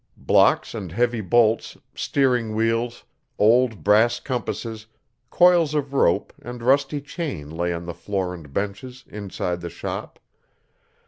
Blocks and heavy bolts, steering wheels, old brass compasses, coils of rope and rusty chain lay on the floor and benches, inside the shop.